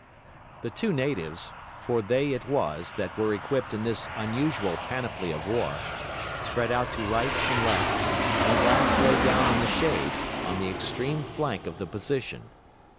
The two natives (for they it was that were equipped in this unusual panoply of war) spread out to right and left, and at last lay down in the shade, on the extreme flank of the position.